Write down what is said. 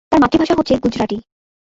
তাঁর মাতৃভাষা হচ্ছে গুজরাটি।